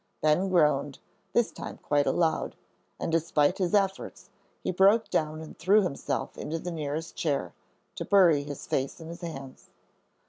Ben groaned, this time quite aloud, and, despite his efforts, he broke down and threw himself into the nearest chair, to bury his face in his hands.